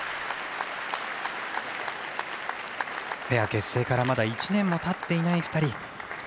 ペア結成からまだ１年もたっていない２人。